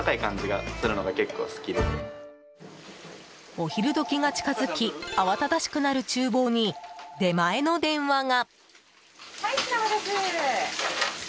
お昼時が近づき慌ただしくなる厨房に出前の電話が。